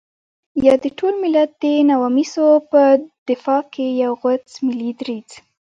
يا د ټول ملت د نواميسو په دفاع کې يو غوڅ ملي دريځ.